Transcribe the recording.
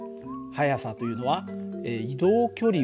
速さというのは移動距離÷